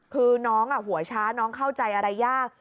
คือน้องหัวช้าน้องเข้าใจอะไรยาก